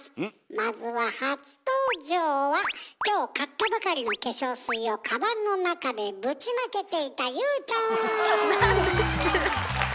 まずは初登場は今日買ったばかりの化粧水をカバンの中でぶちまけていたなんで知ってる？